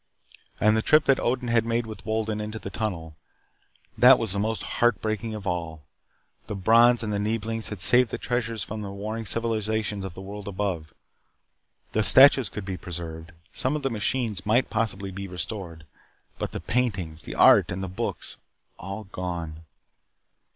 And the trip that Odin had made with Wolden into the tunnel. That was the most heart breaking of all. The Brons and the Neeblings had saved the treasures from the warring civilizations of the world above. The statues could be preserved. Some of the machines might possibly be restored. But the paintings, the art, and the books. All gone.